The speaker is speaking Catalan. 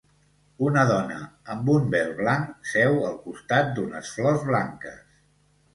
Una dona amb un vel blanc seu al costat d'unes flors blanques.